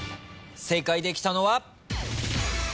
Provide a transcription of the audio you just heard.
正解できたのは。